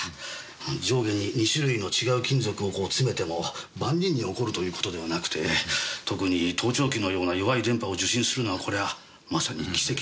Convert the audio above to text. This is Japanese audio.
上下に２種類の違う金属をこう詰めても万人に起こるという事ではなくて特に盗聴器のような弱い電波を受信するのはこれはまさに奇跡です。